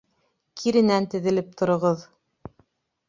Киренән теҙелеп тороғоҙ.